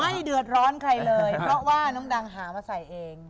ไม่เดือดร้อนใครเลยเพราะว่าน้องดังหามาใส่เอง